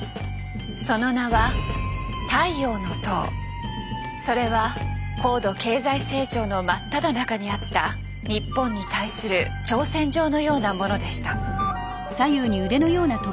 その名は「太陽の塔」。それは高度経済成長の真っただ中にあった日本に対する挑戦状のようなものでした。